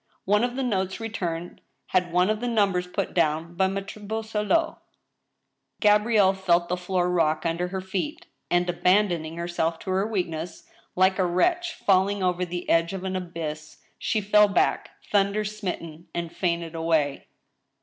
One of the notes returned had one of the numbers put down by Maitre Boisselot. Gabrielle felt the floor rock under her feet, and, abandoning her self to her weakness, like a wretch falling over the edge of an abyss, she fell back, thunder smitten, and fainted away.